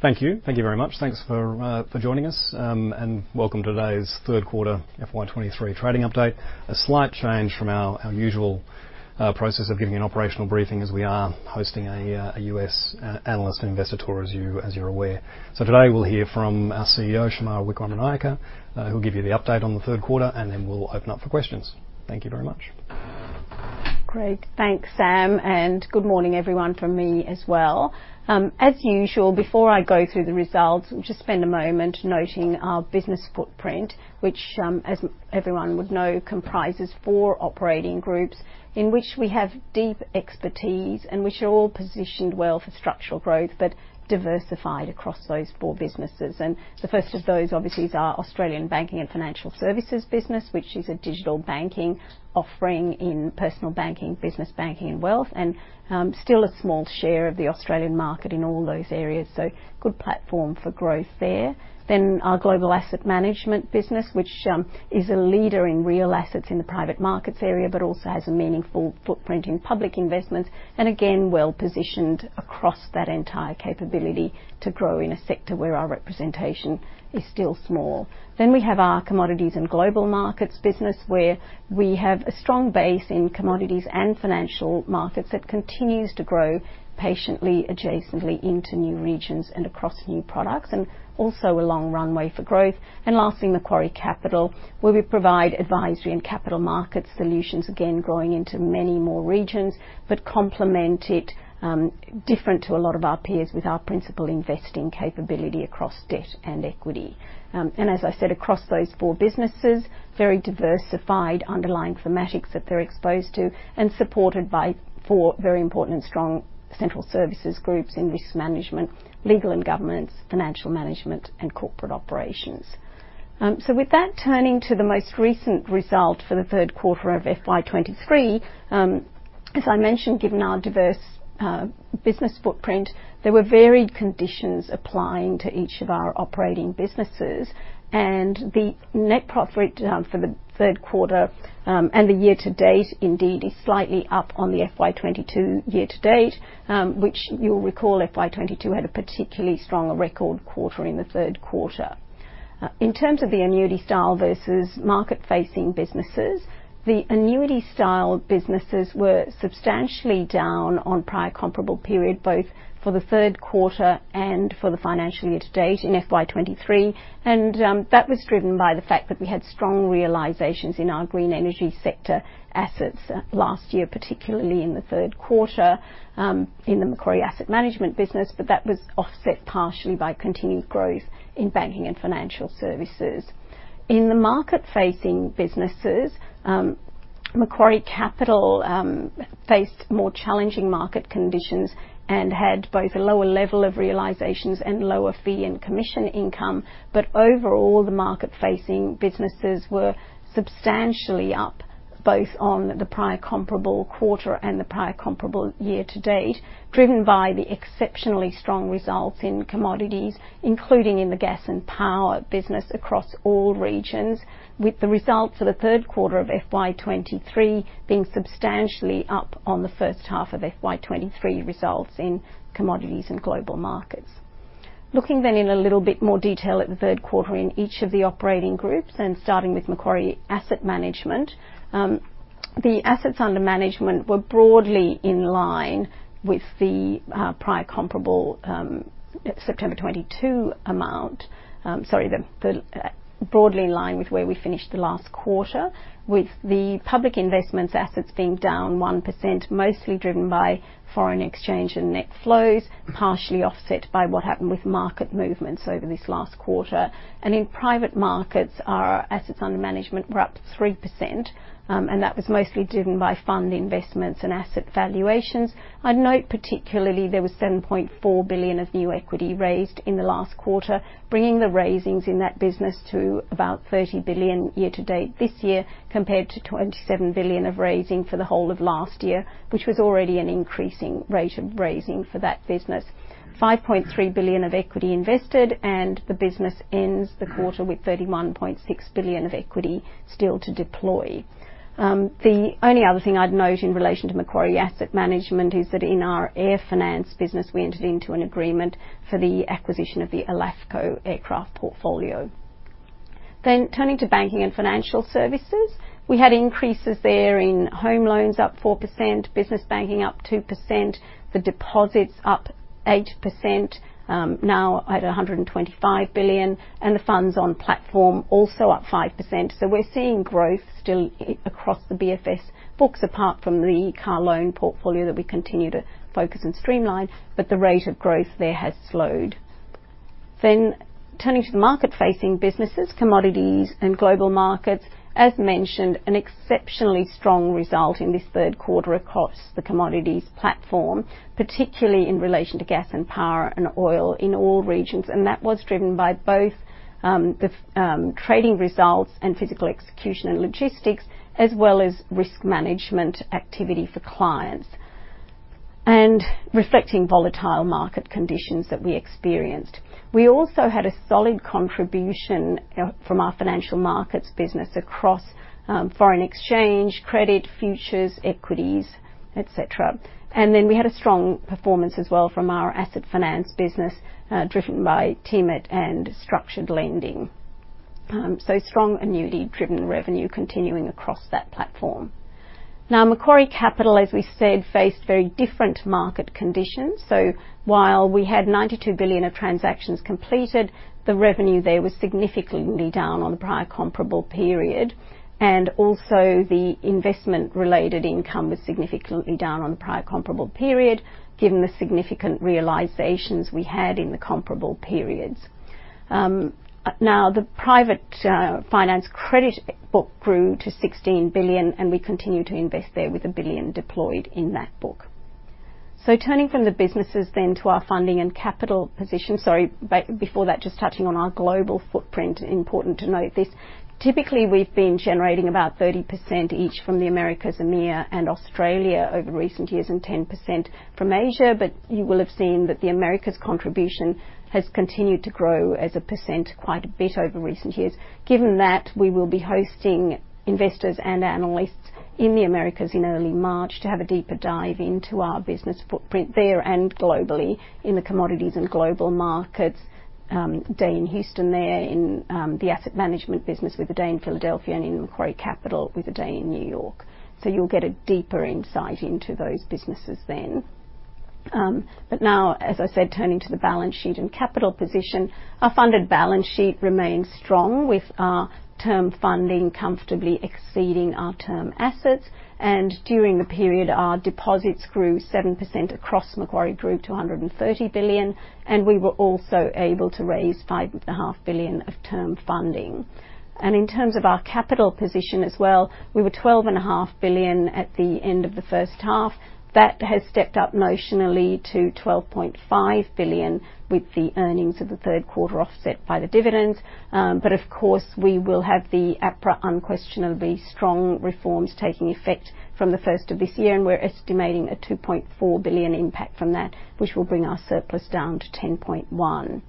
Thank you. Thank you very much. Thanks for joining us. Welcome to today's third quarter FY23 trading update. A slight change from our usual process of giving an operational briefing as we are hosting a US analyst investor tour, as you, as you're aware. Today, we'll hear from our CEO, Shemara Wikramanayake, who'll give you the update on the third quarter, and then we'll open up for questions. Thank you very much. Great. Thanks, Samuel, and good morning everyone from me as well. As usual, before I go through the results, we'll just spend a moment noting our business footprint, which, as everyone would know, comprises four operating groups in which we have deep expertise and which are all positioned well for structural growth but diversified across those four businesses. The first of those, obviously, is our Australian banking and financial services business, which is a digital banking offering in personal banking, business banking, and wealth. Still a small share of the Australian market in all those areas, so good platform for growth there. Our Global Asset Management business, which is a leader in real assets in the private markets area, but also has a meaningful footprint in public investments, and again, well-positioned across that entire capability to grow in a sector where our representation is still small. We have our Commodities and Global Markets business, where we have a strong base in commodities and financial markets that continues to grow patiently, adjacently into new regions and across new products, and also a long runway for growth. Lastly, Macquarie Capital, where we provide advisory and capital markets solutions, again, growing into many more regions but complement it, different to a lot of our peers with our principal investing capability across debt and equity. As I said, across those four businesses, very diversified underlying thematics that they're exposed to and supported by four very important and strong central services groups in Risk Management, Legal and Governance, Financial Management, and Corporate Operations. With that, turning to the most recent result for the third quarter of FY23, as I mentioned, given our diverse business footprint, there were varied conditions applying to each of our operating businesses. The net profit for the third quarter and the year to date indeed is slightly up on the FY22 year to date, which you'll recall, FY22 had a particularly strong record quarter in the third quarter. In terms of the annuity style versus market-facing businesses, the annuity style businesses were substantially down on prior comparable period, both for the third quarter and for the financial year to date in FY23. That was driven by the fact that we had strong realizations in our green energy sector assets last year, particularly in the third quarter, in the Macquarie Asset Management business. That was offset partially by continued growth in banking and financial services. In the market-facing businesses, Macquarie Capital faced more challenging market conditions and had both a lower level of realizations and lower fee and commission income. Overall, the market-facing businesses were substantially up, both on the prior comparable quarter and the prior comparable year to date, driven by the exceptionally strong results in Commodities, including in the gas and power business across all regions, with the results for the third quarter of FY23 being substantially up on the first half of FY23 results in Commodities and Global Markets. Looking in a little bit more detail at the third quarter in each of the operating groups and starting with Macquarie Asset Management, the assets under management were broadly in line with the prior comparable September 2022 amount. Sorry, broadly in line with where we finished the last quarter, with the public investments assets being down 1%, mostly driven by foreign exchange and net flows, partially offset by what happened with market movements over this last quarter. In private markets, our assets under management were up 3%, and that was mostly driven by fund investments and asset valuations. I'd note particularly there was 7.4 billion of new equity raised in the last quarter, bringing the raisings in that business to about 30 billion year to date this year compared to 27 billion of raising for the whole of last year, which was already an increasing rate of raising for that business. 5.3 billion of equity invested and the business ends the quarter with 31.6 billion of equity still to deploy. The only other thing I'd note in relation to Macquarie Asset Management is that in our air finance business, we entered into an agreement for the acquisition of the ALAFCO Aircraft portfolio. Turning to banking and financial services, we had increases there in home loans up 4%, business banking up 2%, the deposits up 8%, now at 125 billion, and the funds on platform also up 5%. We're seeing growth still across the BFS books, apart from the car loan portfolio that we continue to focus and streamline, but the rate of growth there has slowed. Turning to the market-facing businesses, Commodities and Global Markets, as mentioned, an exceptionally strong result in this third quarter across the commodities platform, particularly in relation to gas and power and oil in all regions. That was driven by both the trading results and physical execution and logistics, as well as risk management activity for clients and reflecting volatile market conditions that we experienced. We also had a solid contribution from our financial markets business across foreign exchange, credit, futures, equities, et cetera. We had a strong performance as well from our asset finance business driven by TMT and structured lending. Strong annuity-driven revenue continuing across that platform. Macquarie Capital, as we said, faced very different market conditions. While we had 92 billion of transactions completed, the revenue there was significantly down on the prior comparable period. The investment-related income was significantly down on the prior comparable period, given the significant realizations we had in the comparable periods. The private finance credit book grew to 16 billion, and we continue to invest there with 1 billion deployed in that book. Turning from the businesses then to our funding and capital position. Sorry, before that, just touching on our global footprint, important to note this. Typically we've been generating about 30% each from the Americas, EMEA, and Australia over recent years, and 10% from Asia. You will have seen that the Americas contribution has continued to grow as a percent quite a bit over recent years. Given that, we will be hosting investors and analysts in the Americas in early March to have a deeper dive into our business footprint there and globally in the commodities and global markets day in Houston, in the asset management business with a day in Philadelphia, and in Macquarie Capital with a day in New York. You'll get a deeper insight into those businesses then. Now, as I said, turning to the balance sheet and capital position, our funded balance sheet remains strong with our term funding comfortably exceeding our term assets. During the period, our deposits grew 7% across Macquarie Group to 130 billion, and we were also able to raise five and a half billion of term funding. In terms of our capital position as well, we were twelve and a half billion at the end of the first half. That has stepped up notionally to 12.5 billion with the earnings of the third quarter offset by the dividends. Of course, we will have the APRA unquestionably strong reforms taking effect from the first of this year, and we're estimating an 2.4 billion impact from that, which will bring our surplus down to 10.1 billion.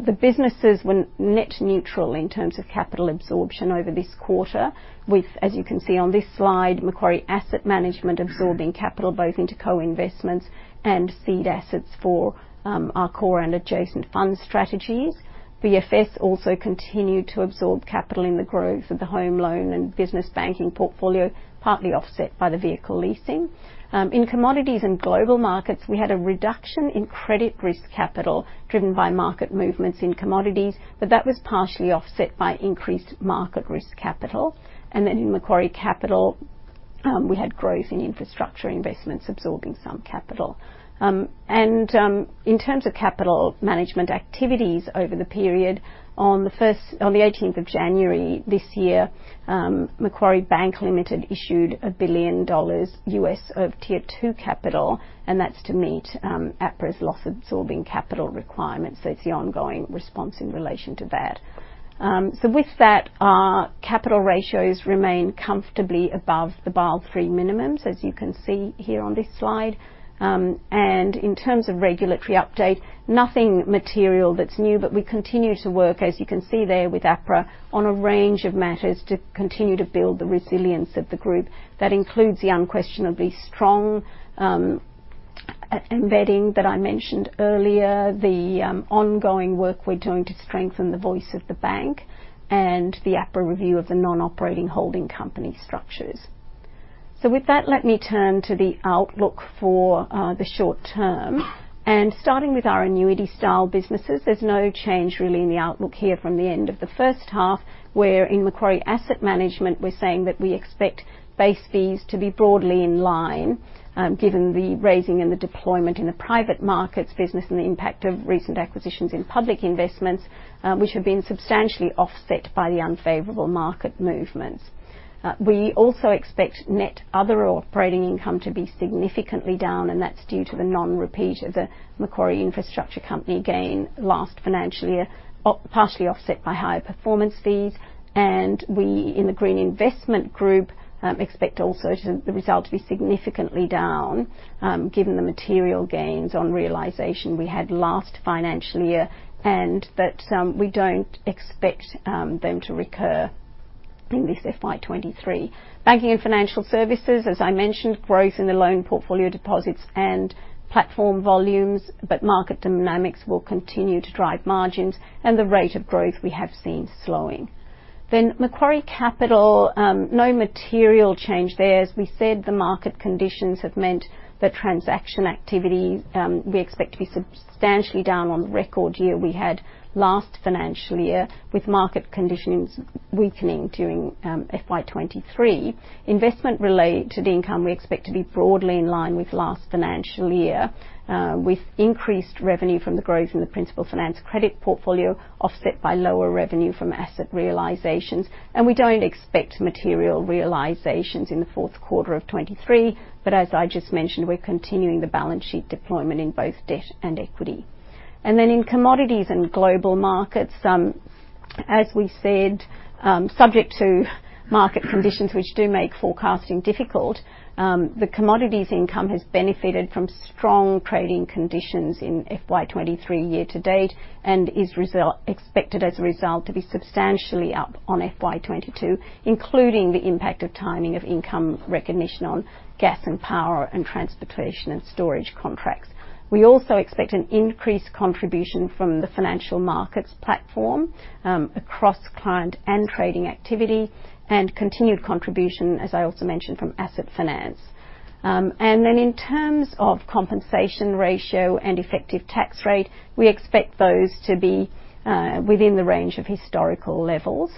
The businesses were net neutral in terms of capital absorption over this quarter with, as you can see on this slide, Macquarie Asset Management absorbing capital both into co-investments and seed assets for our core and adjacent fund strategies. BFS also continued to absorb capital in the growth of the home loan and business banking portfolio, partly offset by the vehicle leasing. In Commodities and Global Markets, we had a reduction in credit risk capital driven by market movements in commodities, but that was partially offset by increased market risk capital. In Macquarie Capital, we had growth in infrastructure investments absorbing some capital. In terms of capital management activities over the period, on the 18th of January this year, Macquarie Bank Limited issued $1 billion US of Tier 2 capital, and that's to meet APRA's loss-absorbing capital requirements. It's the ongoing response in relation to that. With that, our capital ratios remain comfortably above the Basel III minimums, as you can see here on this slide. In terms of regulatory update, nothing material that's new, but we continue to work, as you can see there, with APRA on a range of matters to continue to build the resilience of the group. That includes the unquestionably strong embedding that I mentioned earlier, the ongoing work we're doing to strengthen the voice of the bank, and the APRA review of the non-operating holding company structures. With that, let me turn to the outlook for the short term. Starting with our annuity-style businesses, there's no change really in the outlook here from the end of the first half. Where in Macquarie Asset Management, we're saying that we expect base fees to be broadly in line, given the raising and the deployment in the private markets business and the impact of recent acquisitions in public investments, which have been substantially offset by the unfavorable market movements. We also expect net other operating income to be significantly down, and that's due to the non-repeat of the Macquarie Infrastructure Company gain last financial year, partially offset by higher performance fees. We, in the Green Investment Group, expect also to the result to be significantly down, given the material gains on realization we had last financial year and that we don't expect them to recur in this FY23. Banking and financial services, as I mentioned, growth in the loan portfolio deposits and platform volumes, but market dynamics will continue to drive margins and the rate of growth we have seen slowing. Macquarie Capital, no material change there. As we said, the market conditions have meant that transaction activity we expect to be substantially down on the record year we had last financial year with market conditions weakening during FY23. Investment related income we expect to be broadly in line with last financial year, with increased revenue from the growth in the principal finance credit portfolio offset by lower revenue from asset realizations. We don't expect material realizations in the fourth quarter of 2023. As I just mentioned, we're continuing the balance sheet deployment in both debt and equity. In Commodities and Global Markets, as we said, subject to market conditions which do make forecasting difficult, the commodities income has benefited from strong trading conditions in FY23 year to date and is expected as a result to be substantially up on FY22, including the impact of timing of income recognition on gas and power and transportation and storage contracts. We also expect an increased contribution from the financial markets platform across client and trading activity and continued contribution, as I also mentioned, from asset finance. In terms of compensation ratio and effective tax rate, we expect those to be within the range of historical levels.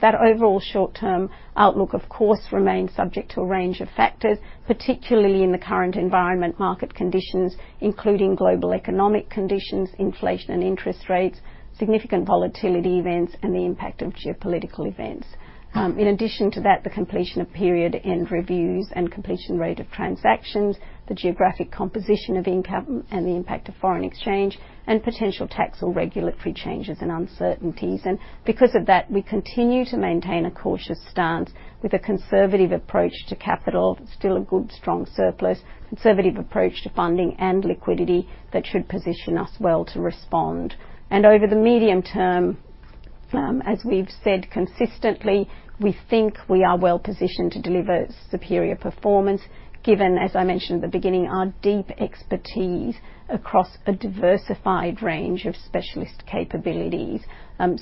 That overall short-term outlook, of course, remains subject to a range of factors, particularly in the current environment market conditions, including global economic conditions, inflation and interest rates, significant volatility events and the impact of geopolitical events. In addition to that, the completion of period-end reviews and completion rate of transactions, the geographic composition of income and the impact of foreign exchange and potential tax or regulatory changes and uncertainties. Because of that, we continue to maintain a cautious stance with a conservative approach to capital. Still a good, strong surplus, conservative approach to funding and liquidity that should position us well to respond. Over the medium term, as we've said consistently, we think we are well positioned to deliver superior performance given, as I mentioned at the beginning, our deep expertise across a diversified range of specialist capabilities,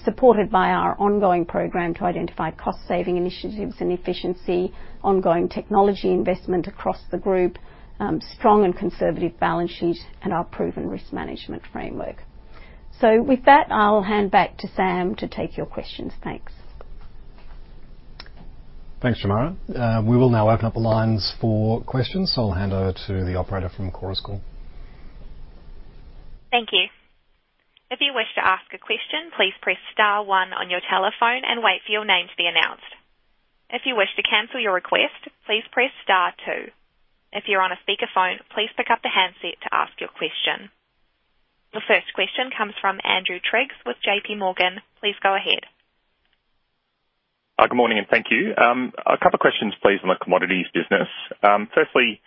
supported by our ongoing program to identify cost saving initiatives and efficiency, ongoing technology investment across the group, strong and conservative balance sheet and our proven risk management framework. With that, I'll hand back to Samuel to take your questions. Thanks. Thanks, Shemara. We will now open up the lines for questions. I'll hand over to the operator from Chorus Call. Thank you. If you wish to ask a question, please press star one on your telephone and wait for your name to be announced. If you wish to cancel your request, please press star two. If you're on a speakerphone, please pick up the handset to ask your question. The first question comes from Andrew Triggs with JPMorgan. Please go ahead. Good morning, and thank you. A couple of questions, please, on the commodities business. Firstly,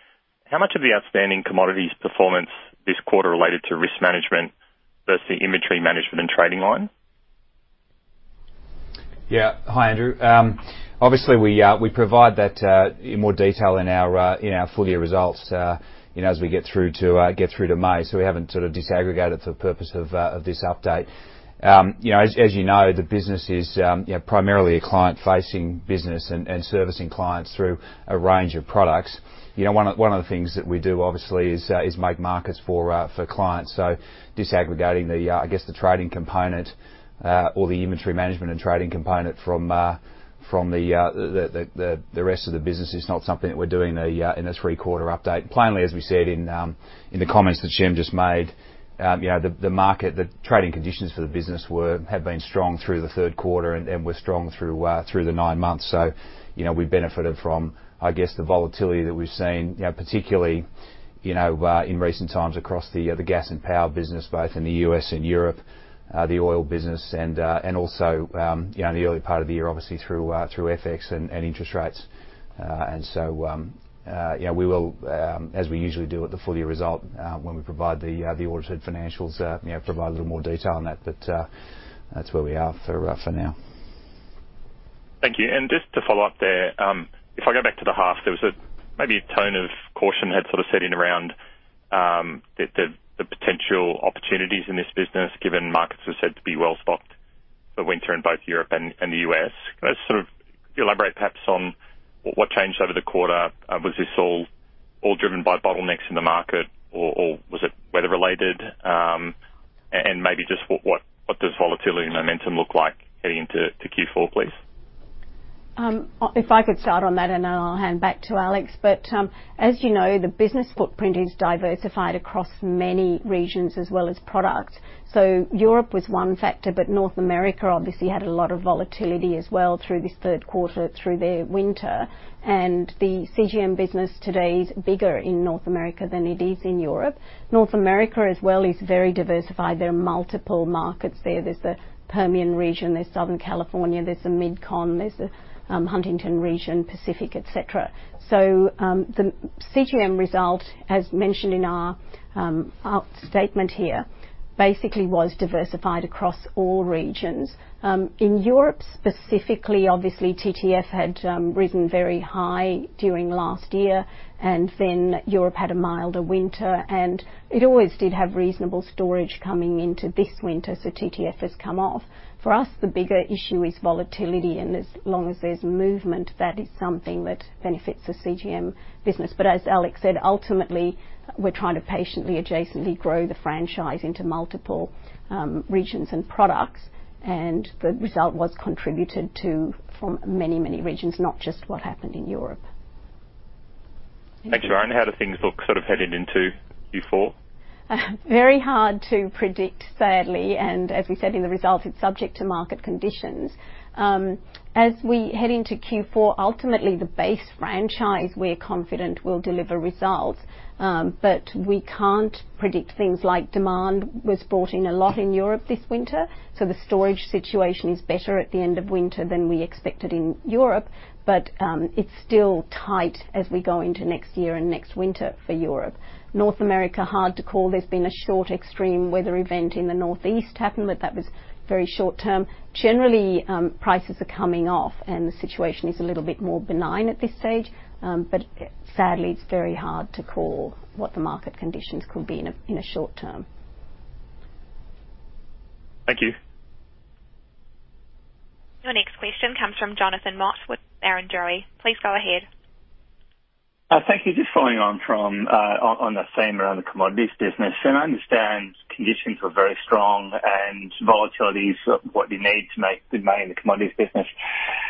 how much of the outstanding commodities performance this quarter related to risk management versus the inventory management and trading line? Yeah. Hi, Andrew. Obviously we provide that in more detail in our in our full year results, you know, as we get through to May. We haven't sort of disaggregated for purpose of this update. You know, as you know, the business is, you know, primarily a client-facing business and servicing clients through a range of products. You know, one of the things that we do obviously is make markets for clients. Disaggregating the I guess the trading component or the inventory management and trading component from the rest of the business is not something that we're doing in the third-quarter update. Plainly, as we said in the comments that Jim just made, you know, the market, the trading conditions for the business have been strong through the third quarter and were strong through the nine months. You know, we benefited from, I guess, the volatility that we've seen, you know, particularly, in recent times across the gas and power business both in the U.S. and Europe, the oil business and also, you know, in the early part of the year, obviously through FX and interest rates. You know, we will, as we usually do with the full year result, when we provide the audited financials, you know, provide a little more detail on that. That's where we are for now. Thank you. Just to follow up there, if I go back to the half, there was a maybe a tone of caution had sort of set in around the potential opportunities in this business, given markets were said to be well stocked for winter in both Europe and the U.S. Can I sort of elaborate perhaps on what changed over the quarter? Was this all driven by bottlenecks in the market or was it weather-related? Maybe just what does volatility and momentum look like heading into to Q4, please? If I could start on that and then I'll hand back to Alex. As you know, the business footprint is diversified across many regions as well as products. Europe was one factor, but North America obviously had a lot of volatility as well through this third quarter, through their winter. The CGM business today is bigger in North America than it is in Europe. North America as well is very diversified. There are multiple markets there. There's the Permian region, there's Southern California, there's the MidCon, there's the Huntington region, Pacific, et cetera. The CGM result, as mentioned in our statement here, basically was diversified across all regions. In Europe specifically, obviously TTF had risen very high during last year. Europe had a milder winter. It always did have reasonable storage coming into this winter. TTF has come off. For us, the bigger issue is volatility. As long as there's movement, that is something that benefits the CGM business. As Alex said, ultimately we're trying to patiently, adjacently grow the franchise into multiple regions and products. The result was contributed to from many, many regions, not just what happened in Europe. Thanks, Shemara. How do things look sort of heading into Q4? Very hard to predict, sadly. As we said in the results, it's subject to market conditions. As we head into Q4, ultimately the base franchise we're confident will deliver results. We can't predict things like demand. We're sporting a lot in Europe this winter, so the storage situation is better at the end of winter than we expected in Europe. It's still tight as we go into next year and next winter for Europe. North America, hard to call. There's been a short extreme weather event in the northeast happened, but that was very short term. Generally, prices are coming off and the situation is a little bit more benign at this stage. Sadly, it's very hard to call what the market conditions could be in a, in a short term. Thank you. Your next question comes from Jonathan Mott with Barrenjoey. Please go ahead. Thank you. Just following on from on the theme around the commodities business. I understand conditions were very strong and volatility is what you need to make good money in the commodities business.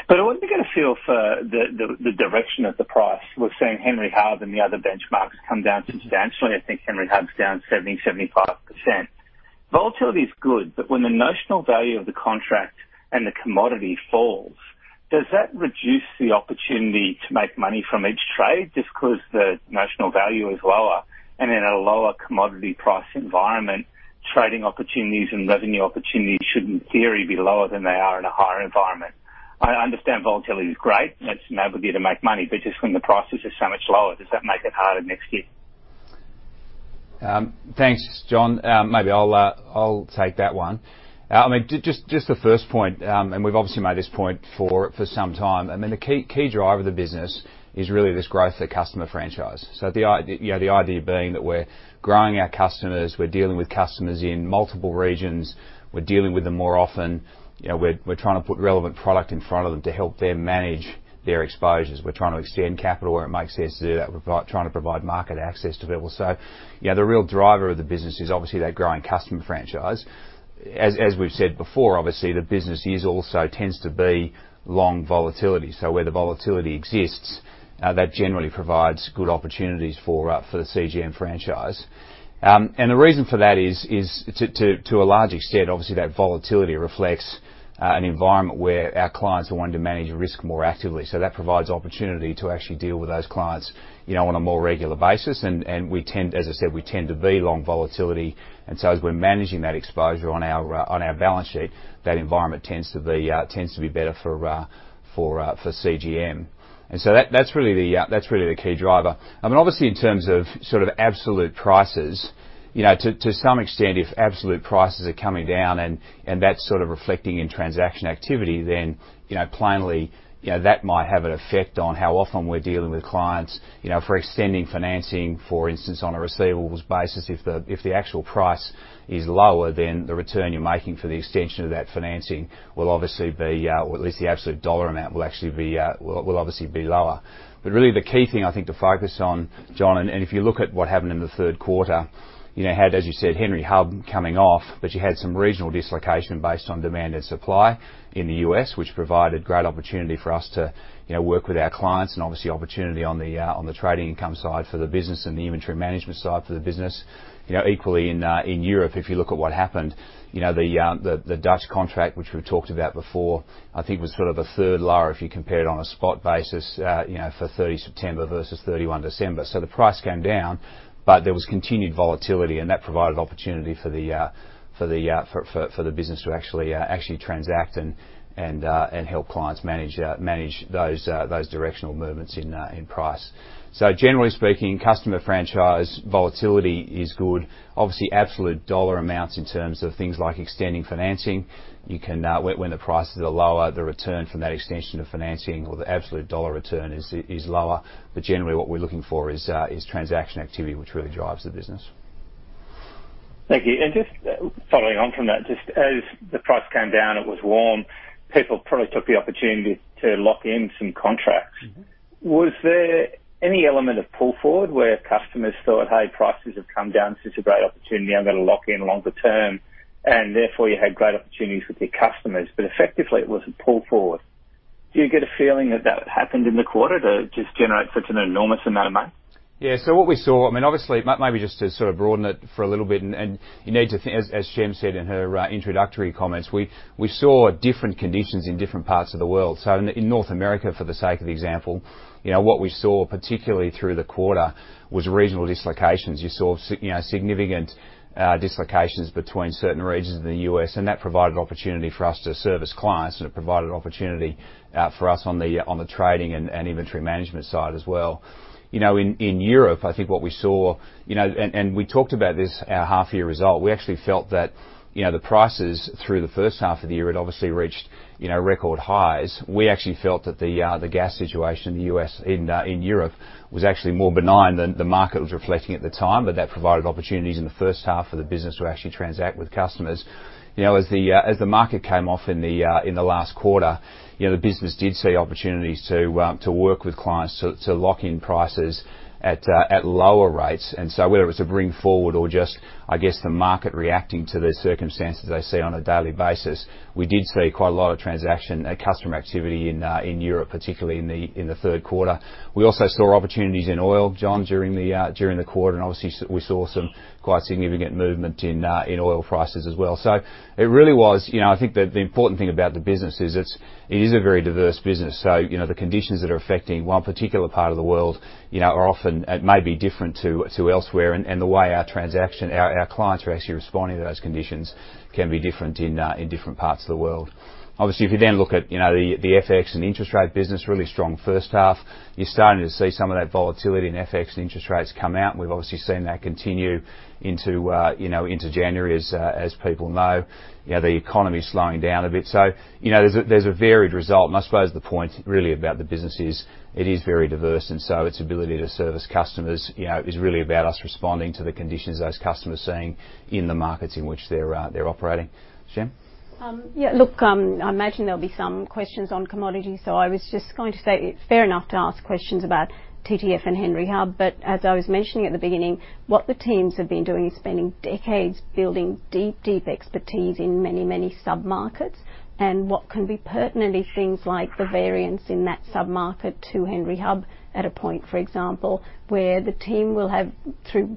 I was looking to feel for the direction of the price. We're seeing Henry Hub and the other benchmarks come down substantially. I think Henry Hub's down 70%-75%. Volatility is good, but when the notional value of the contract and the commodity falls, does that reduce the opportunity to make money from each trade just 'cause the notional value is lower? In a lower commodity price environment, trading opportunities and revenue opportunities should in theory be lower than they are in a higher environment. I understand volatility is great, it's an ability to make money, but just when the prices are so much lower, does that make it harder next year? Thanks, John. Maybe I'll take that one. The first point, we've obviously made this point for some time. The key driver of the business is really this growth through customer franchise. You know, the idea being that we're growing our customers, we're dealing with customers in multiple regions, we're dealing with them more often. You know, we're trying to put relevant product in front of them to help them manage their exposures. We're trying to extend capital where it makes sense to do that. We're trying to provide market access to people. You know, the real driver of the business is obviously that growing customer franchise. As we've said before, obviously, the business is also tends to be long volatility. Where the volatility exists, that generally provides good opportunities for the CGM franchise. The reason for that is to a large extent, obviously that volatility reflects an environment where our clients are wanting to manage risk more actively. That provides opportunity to actually deal with those clients, you know, on a more regular basis. We tend, as I said, we tend to be long volatility, and so as we're managing that exposure on our balance sheet, that environment tends to be better for CGM. That's really the key driver. I mean, obviously in terms of sort of absolute prices, you know, to some extent, if absolute prices are coming down and that's sort of reflecting in transaction activity, then, you know, plainly, you know, that might have an effect on how often we're dealing with clients, you know, for extending financing, for instance, on a receivables basis. If the actual price is lower, then the return you're making for the extension of that financing will obviously be, or at least the absolute dollar amount will actually be, will obviously be lower. Really the key thing I think to focus on, John, and if you look at what happened in the third quarter, you know, had, as you said, Henry Hub coming off, but you had some regional dislocation based on demand and supply in the U.S., which provided great opportunity for us to, you know, work with our clients and obviously opportunity on the trading income side for the business and the inventory management side for the business. Equally in Europe, if you look at what happened, you know, the Dutch TTF, which we've talked about before, I think was sort of a third lower if you compare it on a spot basis, you know, for 30 September versus 31 December. The price came down, but there was continued volatility and that provided opportunity for the business to actually transact and help clients manage those directional movements in price. Generally speaking, customer franchise volatility is good. Obviously, absolute dollar amounts in terms of things like extending financing, you can. When the prices are lower, the return from that extension of financing or the absolute dollar return is lower. Generally what we're looking for is transaction activity which really drives the business. Thank you. Just following on from that, just as the price came down, it was warm, people probably took the opportunity to lock in some contracts. Mm-hmm. Was there any element of pull forward where customers thought, "Hey, prices have come down, this is a great opportunity, I'm gonna lock in longer term," and therefore you had great opportunities with your customers, but effectively it was a pull forward. Do you get a feeling that that happened in the quarter to just generate such an enormous amount of money? Yeah. What we saw, I mean, obviously maybe just to sort of broaden it for a little bit and, you need to as Shemara said in her introductory comments, we saw different conditions in different parts of the world. In North America, for the sake of example, you know, what we saw particularly through the quarter was regional dislocations. You saw you know, significant dislocations between certain regions in the U.S., and that provided opportunity for us to service clients, and it provided opportunity for us on the trading and inventory management side as well. You know, in Europe, I think what we saw, you know, and we talked about this at our half year result, we actually felt that, you know, the prices through the first half of the year had obviously reached, you know, record highs. We actually felt that the gas situation in Europe was actually more benign than the market was reflecting at the time, that provided opportunities in the first half for the business to actually transact with customers. You know, as the market came off in the last quarter. You know, the business did see opportunities to work with clients to lock in prices at lower rates. Whether it was to bring forward or just, I guess, the market reacting to the circumstances they see on a daily basis, we did see quite a lot of transaction, customer activity in Europe, particularly in the third quarter. We also saw opportunities in oil, John, during the quarter, and obviously we saw some quite significant movement in oil prices as well. It really was, you know, I think the important thing about the business is it's, it is a very diverse business. You know, the conditions that are affecting one particular part of the world, you know, are often, it may be different to elsewhere. The way our transaction, our clients are actually responding to those conditions can be different in different parts of the world. Obviously, if you then look at, you know, the FX and interest rate business, really strong first half. You're starting to see some of that volatility in FX and interest rates come out. We've obviously seen that continue into, you know, into January as people know. You know, the economy's slowing down a bit. You know, there's a varied result, and I suppose the point really about the business is it is very diverse. Its ability to service customers, you know, is really about us responding to the conditions those customers are seeing in the markets in which they're operating. Shemara? Yeah, look, I imagine there'll be some questions on commodities, so I was just going to say it's fair enough to ask questions about TTF and Henry Hub. As I was mentioning at the beginning, what the teams have been doing is spending decades building deep, deep expertise in many, many submarkets. What can be pertinent is things like the variance in that submarket to Henry Hub at a point, for example, where the team will have, through,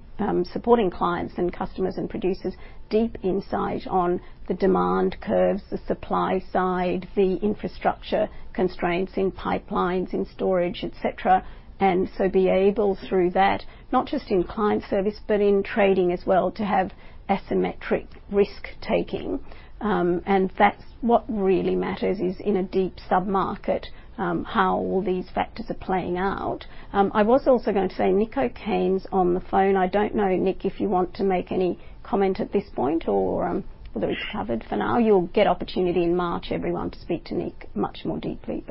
supporting clients and customers and producers, deep insight on the demand curves, the supply side, the infrastructure constraints in pipelines, in storage, et cetera. Be able, through that, not just in client service but in trading as well, to have asymmetric risk-taking. That's what really matters, is in a deep submarket, how all these factors are playing out. I was also gonna say Nick O'Kane's on the phone. I don't know, Nick, if you want to make any comment at this point or whether it's covered for now. You'll get opportunity in March, everyone, to speak to Nick much more deeply.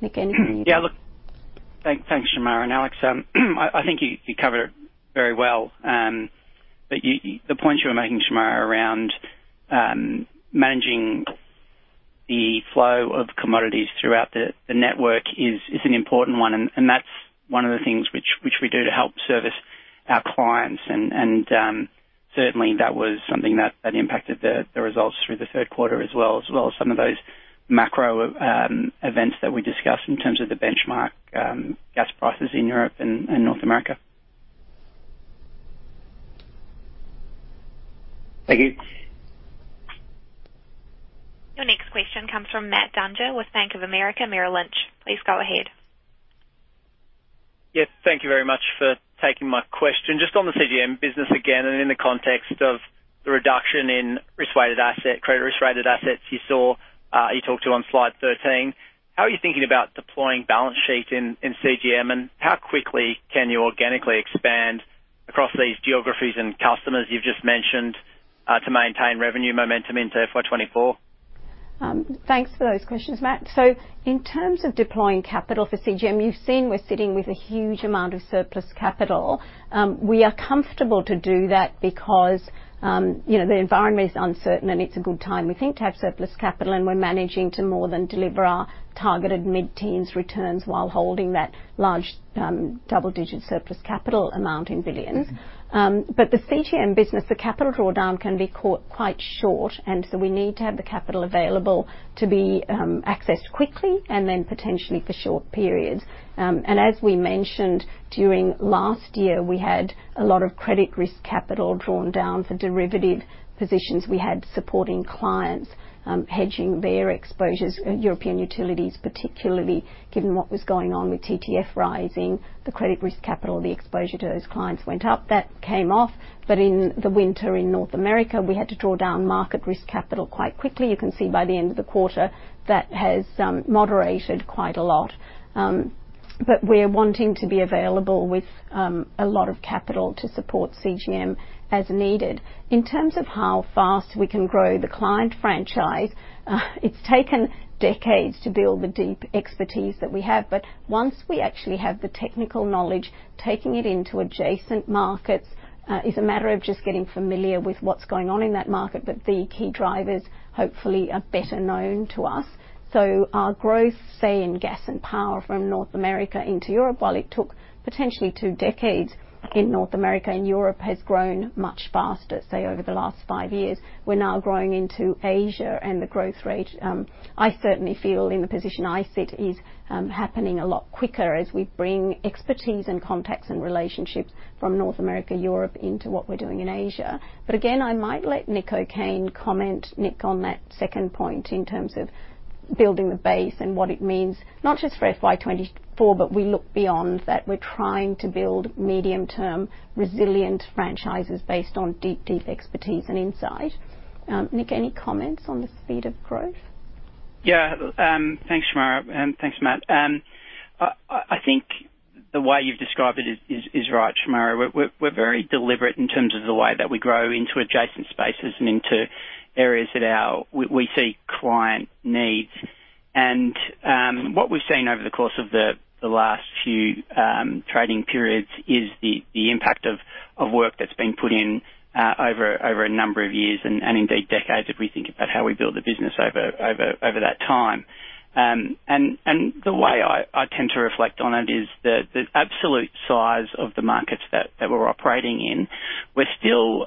Nick, anything you'd like- Yeah, look. Thanks, Shemara and Alex. I think you covered it very well. You the point you were making, Shemara, around managing the flow of commodities throughout the network is an important one. That's one of the things which we do to help service our clients. Certainly, that was something that impacted the results through the third quarter as well as some of those macro events that we discussed in terms of the benchmark gas prices in Europe and North America. Thank you. Your next question comes from Matthew Dunger with Bank of America. Please go ahead. Yes, thank you very much for taking my question. Just on the CGM business again, and in the context of the reduction in credit risk-weighted assets you saw, you talked to on slide 13. How are you thinking about deploying balance sheet in CGM, and how quickly can you organically expand across these geographies and customers you've just mentioned, to maintain revenue momentum into FY 2024? Thanks for those questions, Matthew. In terms of deploying capital for CGM, you've seen we're sitting with a huge amount of surplus capital. We are comfortable to do that because, you know, the environment is uncertain, and it's a good time, we think, to have surplus capital. We're managing to more than deliver our targeted mid-teens returns while holding that large, double-digit surplus capital amount in billions. The CGM business, the capital drawdown can be quite short, and so we need to have the capital available to be accessed quickly and then potentially for short periods. As we mentioned during last year, we had a lot of credit risk capital drawn down for derivative positions we had supporting clients, hedging their exposures, European utilities particularly. Given what was going on with TTF rising, the credit risk capital, the exposure to those clients went up. That came off. In the winter in North America, we had to draw down market risk capital quite quickly. You can see by the end of the quarter that has moderated quite a lot. We're wanting to be available with a lot of capital to support CGM as needed. In terms of how fast we can grow the client franchise, it's taken decades to build the deep expertise that we have. Once we actually have the technical knowledge, taking it into adjacent markets, is a matter of just getting familiar with what's going on in that market. The key drivers hopefully are better known to us. Our growth, say, in gas and power from North America into Europe, while it took potentially two decades in North America, and Europe has grown much faster, say, over the last five years. We're now growing into Asia, and the growth rate, I certainly feel in the position I sit is, happening a lot quicker as we bring expertise and contacts and relationships from North America, Europe into what we're doing in Asia. Again, I might let Nick O'Kane comment, Nick, on that second point in terms of building the base and what it means, not just for FY24, but we look beyond that. We're trying to build medium-term, resilient franchises based on deep, deep expertise and insight. Nick, any comments on the speed of growth? Yeah. Thanks, Shemara, and thanks, Matthew. I think the way you've described it is right, Shemara. We're very deliberate in terms of the way that we grow into adjacent spaces and into areas that we see client needs. What we've seen over the course of the last few trading periods is the impact of work that's been put in over a number of years and indeed decades, if we think about how we built the business over that time. The way I tend to reflect on it is the absolute size of the markets that we're operating in, we're still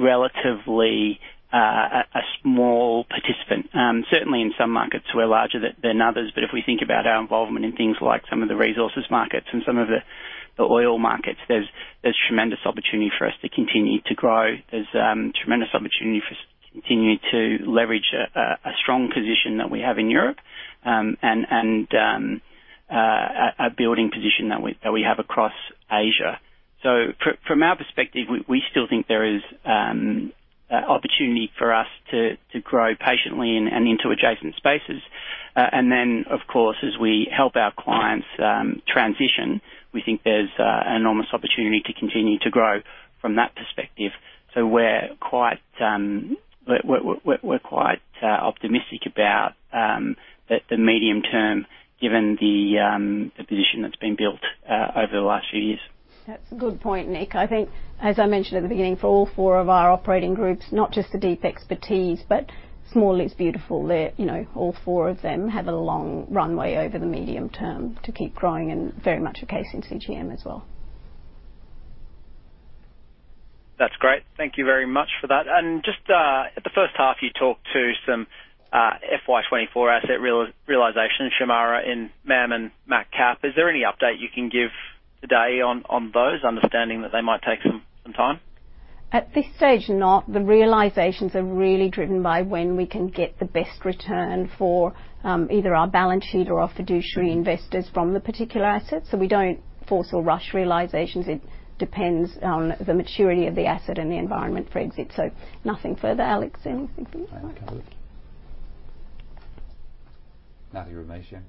relatively a small participant. Certainly in some markets we're larger than others. If we think about our involvement in things like some of the resources markets and some of the oil markets, there's tremendous opportunity for us to continue to grow. There's tremendous opportunity for us to continue to leverage a strong position that we have in Europe, and a building position that we have across Asia. From our perspective, we still think there is opportunity for us to grow patiently and into adjacent spaces. Then, of course, as we help our clients transition, we think there's enormous opportunity to continue to grow from that perspective. We're quite, we're quite optimistic about the medium term given the position that's been built over the last few years. That's a good point, Nick. I think as I mentioned at the beginning, for all four of our operating groups, not just the deep expertise, but small is beautiful. They're, you know, all four of them have a long runway over the medium term to keep growing and very much a case in CGM as well. That's great. Thank you very much for that. Just, at the first half, you talked to some FY24 asset realization, Shemara, in MAM and MacCap. Is there any update you can give today on those, understanding that they might take some time? At this stage, not. The realizations are really driven by when we can get the best return for either our balance sheet or our fiduciary investors from the particular asset. We don't force or rush realizations. It depends on the maturity of the asset and the environment for exit. Nothing further, Alex, anything from you? Nothing from me, Shem.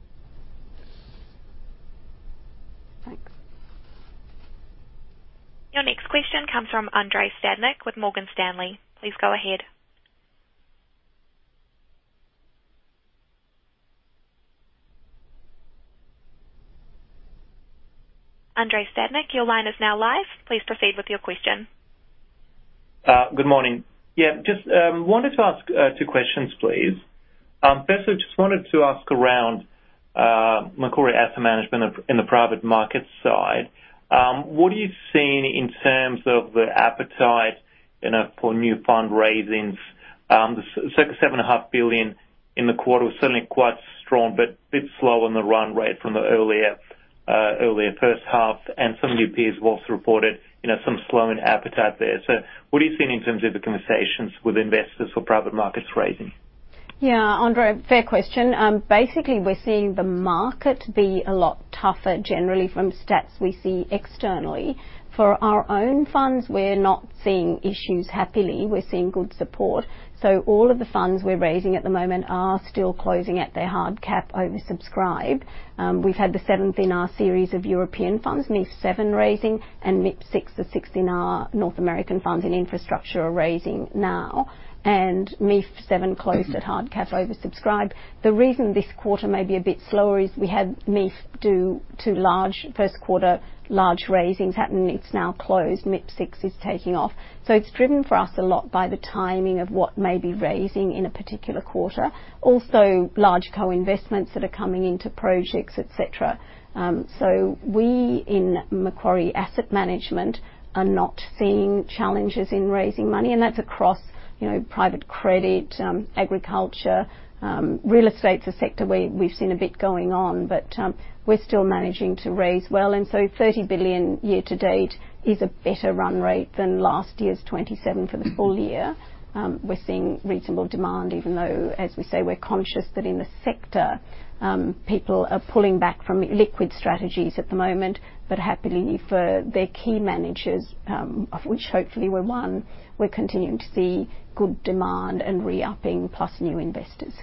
Thanks. Your next question comes from Andrei Stadnik with Morgan Stanley. Please go ahead. Andrei Stadnik, your line is now live. Please proceed with your question. Good morning. Yeah, just wanted to ask two questions, please. First, I just wanted to ask around Macquarie Asset Management in the private markets side. What are you seeing in terms of the appetite, you know, for new fundraisings? It's like a seven and a half billion in the quarter, was certainly quite strong, but a bit slow on the run rate from the earlier first half, and some of your peers have also reported, you know, some slowing appetite there. What are you seeing in terms of the conversations with investors for private markets raising? Yeah, Andrei, fair question. Basically, we're seeing the market be a lot tougher generally from stats we see externally. For our own funds, we're not seeing issues, happily. We're seeing good support. All of the funds we're raising at the moment are still closing at their hard cap oversubscribed. We've had the seventh in our series of European funds, MEIF7 raising, and MIP VI, the sixth in our North American funds in infrastructure are raising now. MEIF7 closed at hard cap oversubscribed. The reason this quarter may be a bit slower is we had MEIF7 do two large first quarter large raisings happen. It's now closed. MIP VI is taking off. It's driven for us a lot by the timing of what may be raising in a particular quarter. Also, large co-investments that are coming into projects, et cetera. We in Macquarie Asset Management are not seeing challenges in raising money, and that's across, you know, private credit, agriculture. Real estate's a sector we've seen a bit going on, but we're still managing to raise well. 30 billion year to date is a better run rate than last year's 27 billion for the full year. We're seeing reasonable demand, even though, as we say, we're conscious that in the sector, people are pulling back from liquid strategies at the moment. Happily for their key managers, of which hopefully we're one, we're continuing to see good demand and re-upping plus new investors.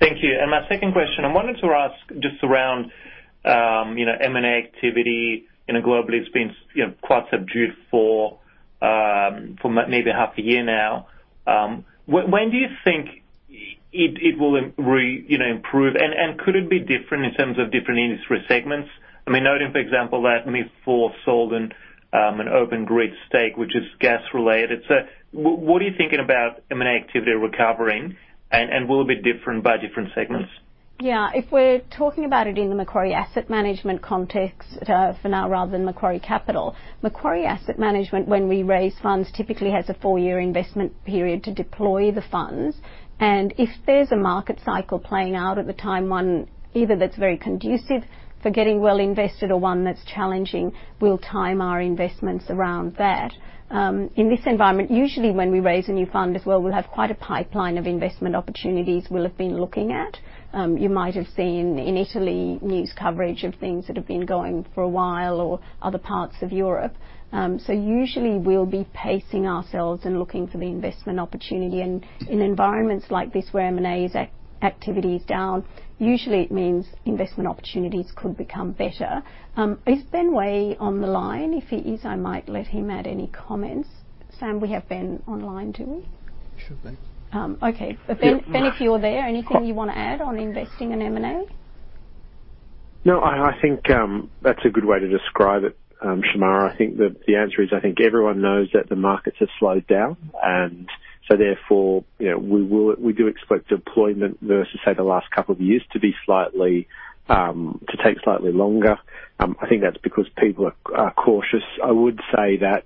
Thank you. My second question, I wanted to ask just around, you know, M&A activity. You know, globally it's been, you know, quite subdued for maybe half a year now. When do you think it will, you know, improve? Could it be different in terms of different industry segments? I mean, noting, for example, that MEIF4 sold an Open Grid stake, which is gas-related. What are you thinking about M&A activity recovering? Will it be different by different segments? Yeah. If we're talking about it in the Macquarie Asset Management context, for now rather than Macquarie Capital. Macquarie Asset Management, when we raise funds, typically has a four-year investment period to deploy the funds. If there's a market cycle playing out at the time, one either that's very conducive for getting well invested or one that's challenging, we'll time our investments around that. In this environment, usually when we raise a new fund as well, we'll have quite a pipeline of investment opportunities we'll have been looking at. You might have seen in Italy news coverage of things that have been going for a while or other parts of Europe. Usually we'll be pacing ourselves and looking for the investment opportunity. In environments like this where M&A activity is down, usually it means investment opportunities could become better. Is Ben Way on the line? If he is, I might let him add any comments. Sam, we have Ben online, do we? Should be. Okay. Ben, if you're there, anything you wanna add on investing in M&A? No, I think that's a good way to describe it, Shemara. I think the answer is, I think everyone knows that the markets have slowed down. Therefore, you know, we do expect deployment versus, say, the last couple of years to be slightly to take slightly longer. I think that's because people are cautious. I would say that,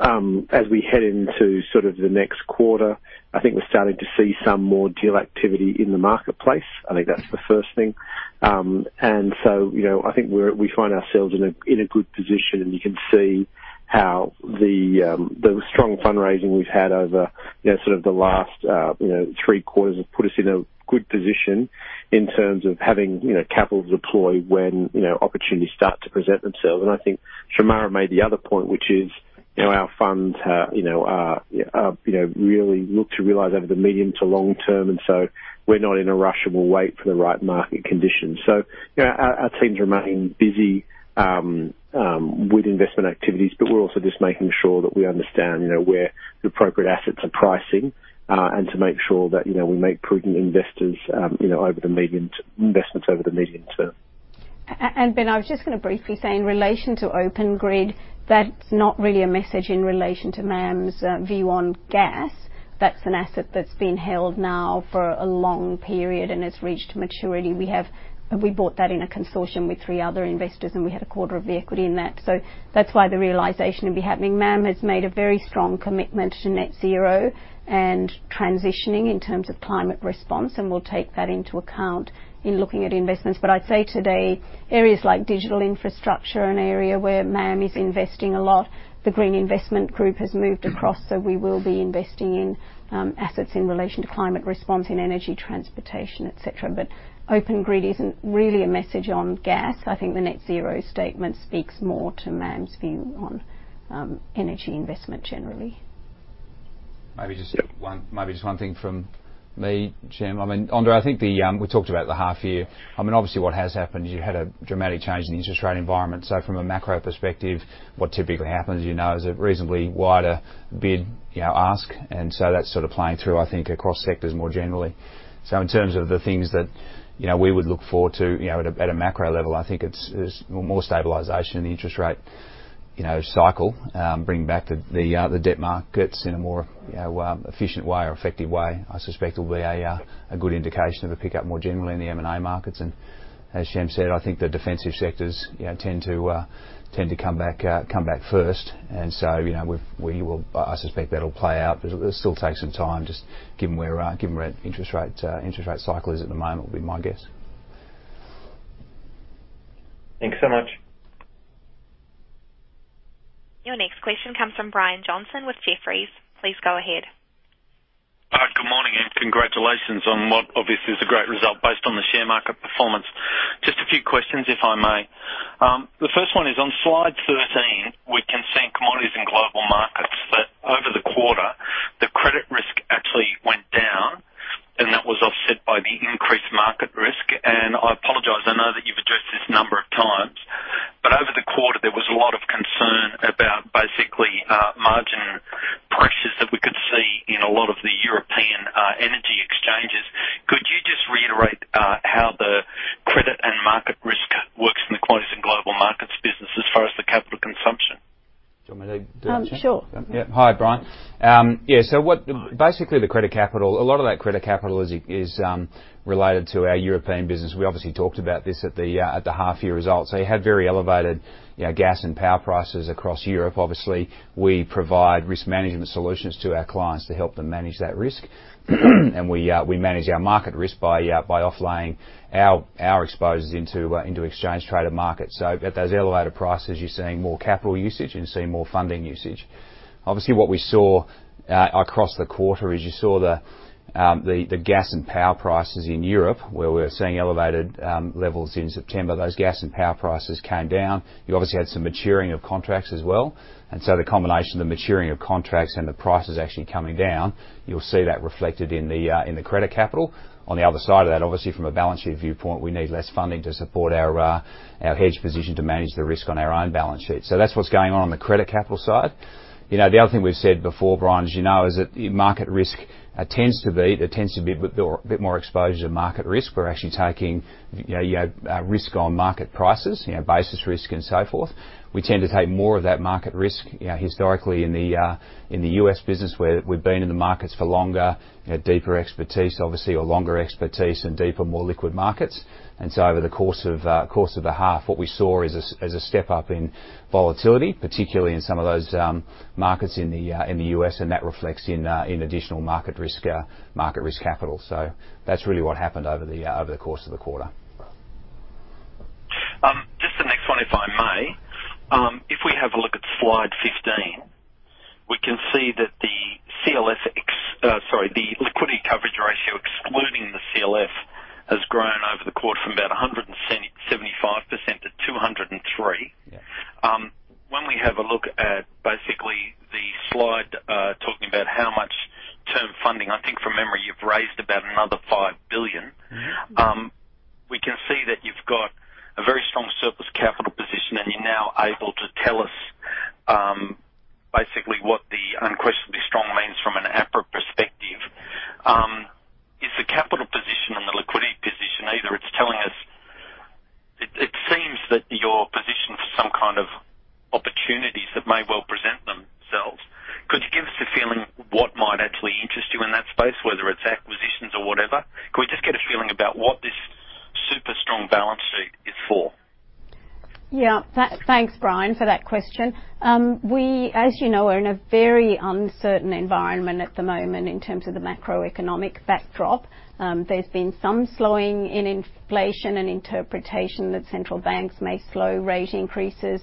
as we head into sort of the next quarter, I think we're starting to see some more deal activity in the marketplace. I think that's the first thing. You know, I think we find ourselves in a good position, and you can see how the strong fundraising we've had over, you know, sort of the last, you know, third quarters have put us in a good position in terms of having, you know, capital deployed when, you know, opportunities start to present themselves. I think Shemara made the other point, which is, you know, our funds have, you know, have, you know, really look to realize over the medium to long term. We're not in a rush and we'll wait for the right market conditions. You know, our teams remain busy with investment activities, but we're also just making sure that we understand, you know, where the appropriate assets are pricing, and to make sure that, you know, we make prudent investments over the medium term. Ben, I was just gonna briefly say in relation to Open Grid, that's not really a message in relation to MAM's view on gas. That's an asset that's been held now for a long period and has reached maturity. We bought that in a consortium with three other investors, and we had a quarter of the equity in that. That's why the realization will be happening. MAM has made a very strong commitment to net zero and transitioning in terms of climate response, and we'll take that into account in looking at investments. I'd say today, areas like digital infrastructure, an area where MAM is investing a lot, the Green Investment Group has moved across, we will be investing in assets in relation to climate response in energy, transportation, et cetera. Open Grid isn't really a message on gas. I think the Net Zero Statement speaks more to MAM's view on energy investment generally. Maybe just one thing from me, Shemara. I mean, Andrei, I think the... we talked about the half year. I mean, obviously what has happened, you had a dramatic change in the interest rate environment. From a macro perspective, what typically happens, you know, is a reasonably wider bid, you know, ask. That's sort of playing through, I think, across sectors more generally. In terms of the things that, you know, we would look forward to, you know, at a macro level, I think it's more stabilization in the interest rate, you know, cycle, bringing back the debt markets in a more, you know, efficient way or effective way. I suspect it'll be a good indication of a pickup more generally in the M&A markets. As Shemara said, I think the defensive sectors, you know, tend to come back first. You know, we will I suspect that'll play out. It'll still take some time just given where interest rates interest rate cycle is at the moment, would be my guess. Thanks so much. Your next question comes from Brian Johnson with Jefferies. Please go ahead. Good morning, congratulations on what obviously is a great result based on the share market performance. Just a few questions, if I may. The first one is, on slide 13, we can see in Commodities and Global Markets that over the quarter, the credit risk actually went down, and that was offset by the increased market risk. I apologize, I know that you've addressed this a number of times. Over the quarter, there was a lot of concern about basically, margin pressures that we could see in a lot of the European energy exchanges. Could you just reiterate how the credit and market risk works in the Commodities and Global Markets business as far as the capital consumption? Do you want me to do that, Shemara? Sure. Yeah. Hi, Brian. Yeah, Basically, the credit capital, a lot of that credit capital is related to our European business. We obviously talked about this at the half year results. You have very elevated, you know, gas and power prices across Europe. Obviously, we provide risk management solutions to our clients to help them manage that risk. We manage our market risk by off-laying our exposures into exchange-traded markets. At those elevated prices, you're seeing more capital usage and seeing more funding usage. Obviously, what we saw, across the quarter is you saw the gas and power prices in Europe, where we're seeing elevated levels in September. Those gas and power prices came down. You obviously had some maturing of contracts as well. The combination of the maturing of contracts and the prices actually coming down, you'll see that reflected in the credit capital. On the other side of that, obviously from a balance sheet viewpoint, we need less funding to support our hedge position to manage the risk on our own balance sheet. That's what's going on on the credit capital side. You know, the other thing we've said before, Brian, as you know, is that market risk tends to be a bit more exposure to market risk. We're actually taking, you know, risk on market prices, you know, basis risk and so forth. We tend to take more of that market risk, you know, historically in the US business where we've been in the markets for longer, you know, deeper expertise, obviously, or longer expertise in deeper, more liquid markets. Over the course of the half, what we saw is a step up in volatility, particularly in some of those markets in the U.S., and that reflects in additional market risk capital. That's really what happened over the course of the quarter. Just the next one, if I may. If we have a look at slide 15, we can see that the CLF, the liquidity coverage ratio, excluding the CLF, has grown over the quarter from about 175% - 203%. Yeah. When we have a look at basically the slide, talking about how much term funding, I think from memory you've raised about another 5 billion. Mm-hmm. Mm-hmm. We can see that you've got a very strong surplus capital position, and you're now able to tell us, basically what the Is the capital position and the liquidity position either it's telling us... It seems that your position for some kind of opportunities that may well present themselves. Could you give us a feeling what might actually interest you in that space, whether it's acquisitions or whatever? Could we just get a feeling about what this super strong balance sheet is for? Thanks, Brian, for that question. We, as you know, are in a very uncertain environment at the moment in terms of the macroeconomic backdrop. There's been some slowing in inflation and interpretation that central banks may slow rate increases.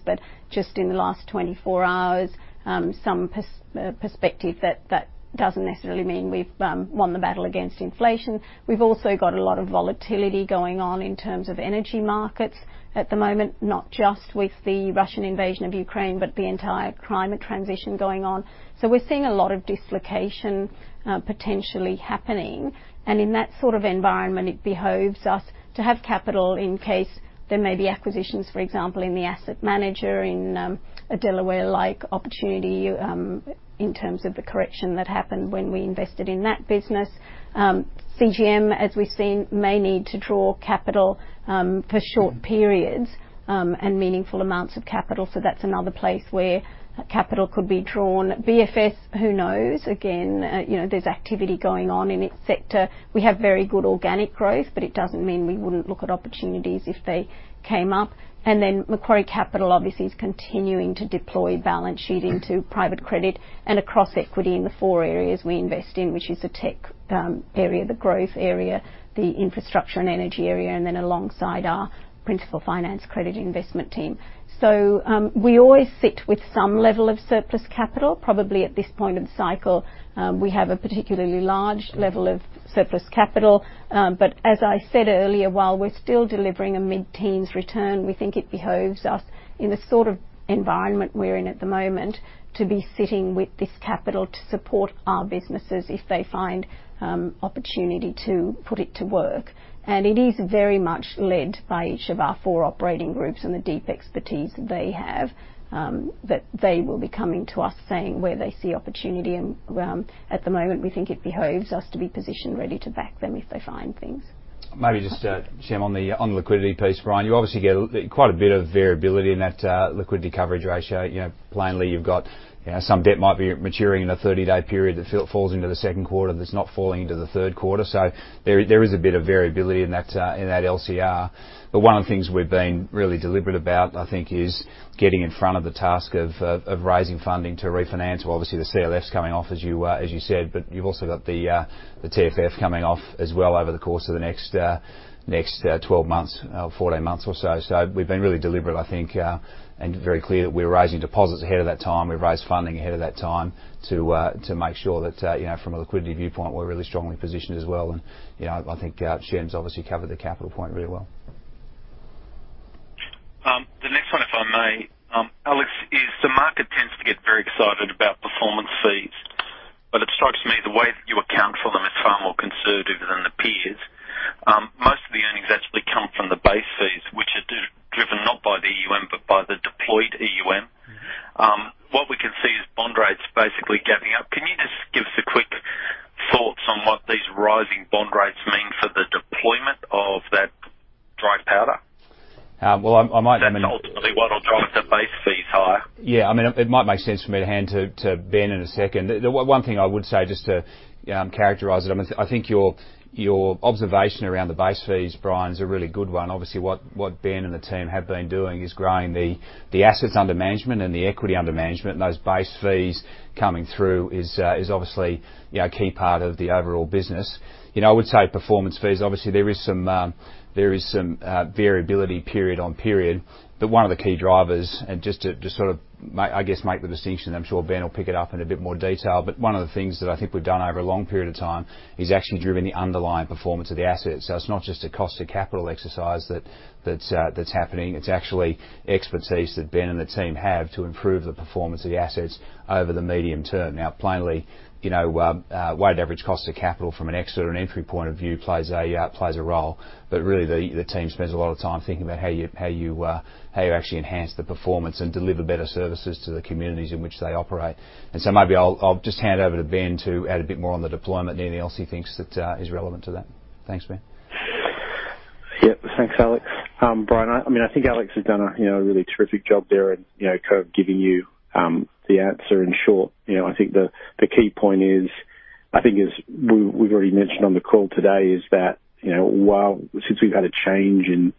Just in the last 24 hours, some perspective that that doesn't necessarily mean we've won the battle against inflation. We've also got a lot of volatility going on in terms of energy markets at the moment, not just with the Russian invasion of Ukraine, but the entire climate transition going on. We're seeing a lot of dislocation potentially happening. In that sort of environment, it behooves us to have capital in case there may be acquisitions, for example, in the asset manager, in a Delaware-like opportunity in terms of the correction that happened when we invested in that business. CGM, as we've seen, may need to draw capital for short periods, and meaningful amounts of capital. That's another place where capital could be drawn. BFS, who knows? Again, you know, there's activity going on in its sector. We have very good organic growth. It doesn't mean we wouldn't look at opportunities if they came up. Macquarie Capital obviously is continuing to deploy balance sheet into private credit and across equity in the four areas we invest in, which is the tech area, the growth area, the infrastructure and energy area, and then alongside our principal finance credit investment team. We always sit with some level of surplus capital. Probably at this point of the cycle, we have a particularly large level of surplus capital. As I said earlier, while we're still delivering a mid-teens return, we think it behoves us in the sort of environment we're in at the moment to be sitting with this capital to support our businesses if they find opportunity to put it to work. It is very much led by each of our four operating groups and the deep expertise they have that they will be coming to us saying where they see opportunity. At the moment, we think it behoves us to be positioned ready to back them if they find things. Maybe just, Shemara, on the liquidity piece, Brian. You obviously get quite a bit of variability in that liquidity coverage ratio. You know, plainly, you've got, you know, some debt might be maturing in a 30-day period that falls into the second quarter, that's not falling into the third quarter. There is a bit of variability in that LCR. One of the things we've been really deliberate about, I think, is getting in front of the task of raising funding to refinance. Obviously, the CLF's coming off as you said, but you've also got the TFF coming off as well over the course of the next 12 months or 14 months or so. We've been really deliberate, I think, and very clear that we're raising deposits ahead of that time. We've raised funding ahead of that time to make sure that, you know, from a liquidity viewpoint, we're really strongly positioned as well. You know, I think, Shemara's obviously covered the capital point really well. The next one, if I may, Alex, is the market tends to get very excited about performance fees, but it strikes me the way that you account for them is far more conservative than the peers. Most of the earnings actually come from the base fees, which are driven not by the EUM, but by the deployed EUM. Mm-hmm. What we can see is bond rates basically gapping up. Can you just give us a quick thoughts on what these rising bond rates mean for the deployment of that dry powder? Well, I. Ultimately what will drive the base fees higher. Yeah. I mean, it might make sense for me to hand to Ben in a second. The one thing I would say just to characterize it, I mean, I think your observation around the base fees, Brian, is a really good one. Obviously, what Ben and the team have been doing is growing the assets under management and the equity under management. Those base fees coming through is obviously, you know, a key part of the overall business. You know, I would say performance fees, obviously there is some variability period on period. One of the key drivers, and just to sort of I guess, make the distinction, I'm sure Ben will pick it up in a bit more detail. One of the things that I think we've done over a long period of time is actually driven the underlying performance of the assets. It's not just a cost of capital exercise that's happening. It's actually expertise that Ben and the team have to improve the performance of the assets over the medium term. Plainly, you know, weighted average cost of capital from an exit or an entry point of view plays a role. Really, the team spends a lot of time thinking about how you actually enhance the performance and deliver better services to the communities in which they operate. Maybe I'll just hand over to Ben to add a bit more on the deployment and anything else he thinks that is relevant to that. Thanks, Ben. Yeah. Thanks, Alex. Brian, I mean, I think Alex has done a, you know, a really terrific job there at, you know, kind of giving you the answer in short. You know, I think the key point is, I think as we've already mentioned on the call today, is that, you know, while since we've had a change in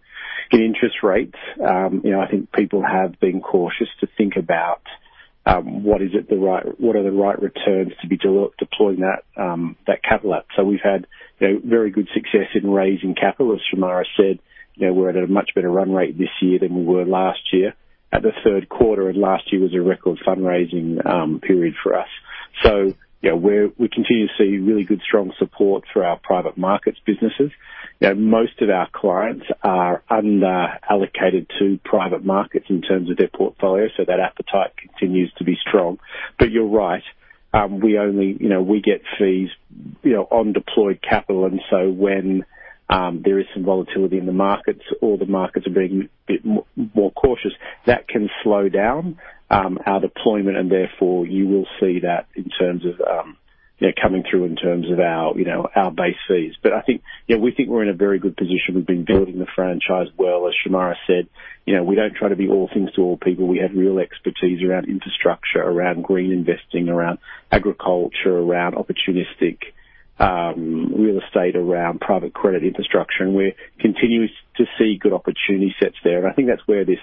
interest rates, you know, I think people have been cautious to think about what are the right returns to be deploying that capital at. We've had, you know, very good success in raising capital. As Shemara said, you know, we're at a much better run rate this year than we were last year. The third quarter of last year was a record fundraising period for us. You know, we continue to see really good strong support for our private markets businesses. You know, most of our clients are underallocated to private markets in terms of their portfolio, so that appetite continues to be strong. You're right. We only, you know, we get fees, you know, on deployed capital, and so when there is some volatility in the markets or the markets are being a bit more cautious, that can slow down our deployment, and therefore you will see that in terms of, they're coming through in terms of our, you know, our base fees. I think, yeah, we think we're in a very good position. We've been building the franchise well. As Shemara said, you know, we don't try to be all things to all people. We have real expertise around infrastructure, around green investing, around agriculture, around opportunistic real estate, around private credit infrastructure, and we're continuing to see good opportunity sets there. I think that's where this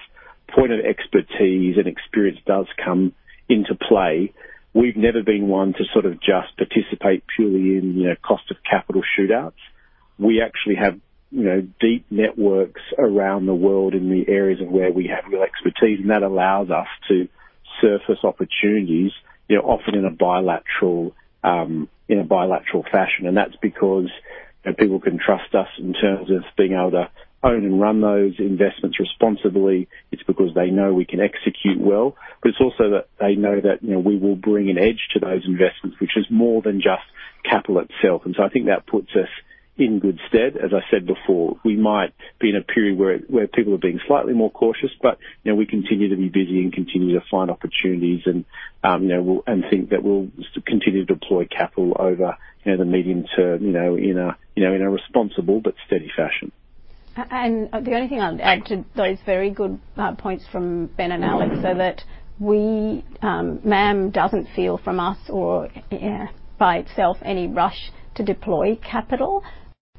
point of expertise and experience does come into play. We've never been one to sort of just participate purely in, you know, cost of capital shootouts. We actually have, you know, deep networks around the world in the areas of where we have real expertise, and that allows us to surface opportunities, you know, often in a bilateral in a bilateral fashion. That's because, you know, people can trust us in terms of being able to own and run those investments responsibly. It's because they know we can execute well, but it's also that they know that, you know, we will bring an edge to those investments, which is more than just capital itself. I think that puts us in good stead. As I said before, we might be in a period where people are being slightly more cautious, but, you know, we continue to be busy and continue to find opportunities and, you know, think that we'll continue to deploy capital over, you know, the medium to, you know, in a responsible but steady fashion. The only thing I'd add to those very good points from Ben and Alex are that we, MAM doesn't feel from us or, yeah, by itself any rush to deploy capital.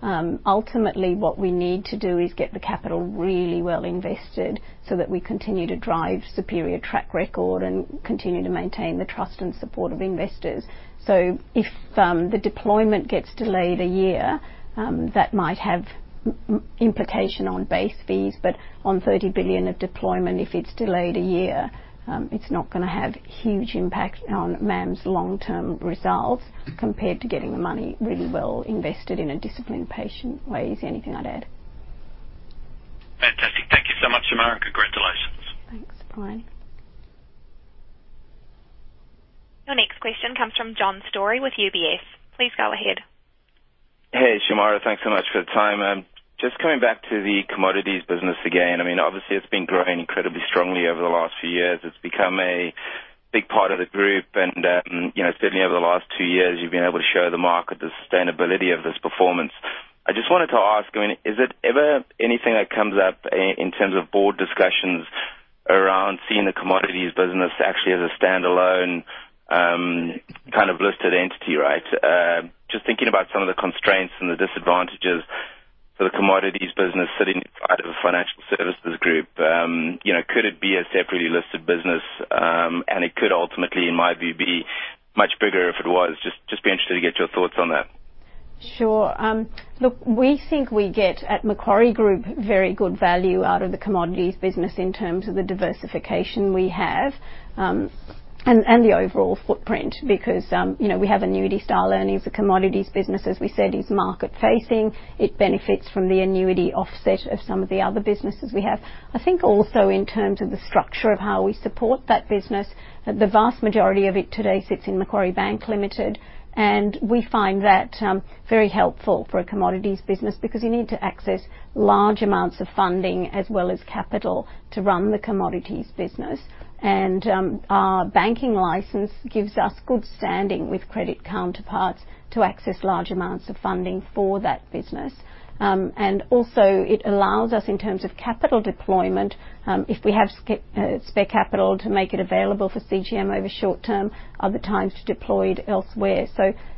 Ultimately what we need to do is get the capital really well invested so that we continue to drive superior track record and continue to maintain the trust and support of investors. If the deployment gets delayed a year, that might have implication on base fees, but on 30 billion of deployment, if it's delayed a year, it's not gonna have huge impact on MAM's long-term results compared to getting the money really well invested in a disciplined, patient way is the only thing I'd add. Fantastic. Thank you so much, Shemara, and congratulations. Thanks, Brian. Your next question comes from John Storey with UBS. Please go ahead. Hey, Shemara, thanks so much for the time. Just coming back to the commodities business again. I mean, obviously it's been growing incredibly strongly over the last few years. It's become a big part of the group and, you know, certainly over the last two years you've been able to show the market the sustainability of this performance. I just wanted to ask, I mean, is it ever anything that comes up in terms of board discussions around seeing the commodities business actually as a standalone, kind of listed entity, right? Just thinking about some of the constraints and the disadvantages for the commodities business sitting out of a financial services group. You know, could it be a separately listed business? It could ultimately, in my view, be much bigger if it was. Just be interested to get your thoughts on that. Sure. Look, we think we get at Macquarie Group very good value out of the commodities business in terms of the diversification we have, and the overall footprint because, you know, we have annuity style earnings. The commodities business, as we said, is market facing. It benefits from the annuity offset of some of the other businesses we have. I think also in terms of the structure of how we support that business, the vast majority of it today sits in Macquarie Bank Limited, and we find that very helpful for a commodities business because you need to access large amounts of funding as well as capital to run the commodities business. Our banking license gives us good standing with credit counterparts to access large amounts of funding for that business. Also it allows us, in terms of capital deployment, if we have spare capital to make it available for CGM over short term, other times to deploy it elsewhere.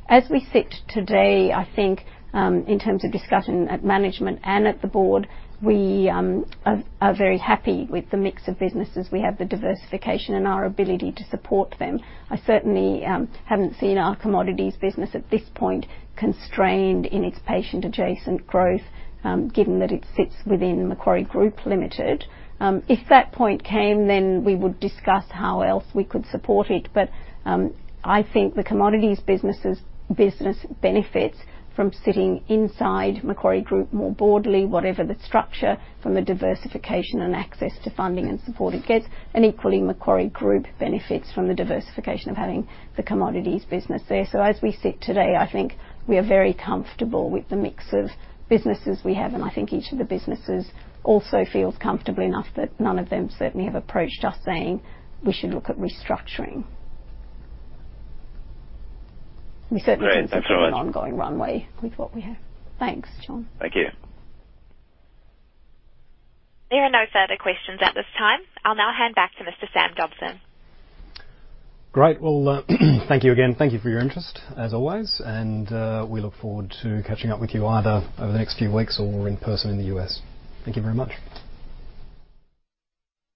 As we sit today, I think, in terms of discussion at management and at the board, we are very happy with the mix of businesses. We have the diversification and our ability to support them. I certainly haven't seen our commodities business at this point constrained in its patient adjacent growth, given that it sits within Macquarie Group Limited. If that point came, then we would discuss how else we could support it. I think the commodities business benefits from sitting inside Macquarie Group more broadly, whatever the structure, from a diversification and access to funding and support it gets. Equally, Macquarie Group benefits from the diversification of having the commodities business there. As we sit today, I think we are very comfortable with the mix of businesses we have, and I think each of the businesses also feels comfortable enough that none of them certainly have approached us saying we should look at restructuring. We certainly see. Great. That's all right. an ongoing runway with what we have. Thanks, John. Thank you. There are no further questions at this time. I'll now hand back to Mr. Samuel Dobson. Great. Well, thank you again. Thank you for your interest, as always, and we look forward to catching up with you either over the next few weeks or in person in the U.S. Thank you very much.